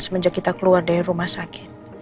semenjak kita keluar dari rumah sakit